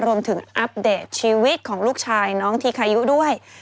อัปเดตชีวิตของลูกชายน้องทีคายุด้วย